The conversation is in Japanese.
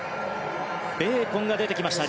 ベーコンが出てきました。